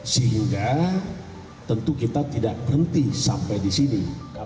sehingga tentu kita tidak berhenti sampai di sini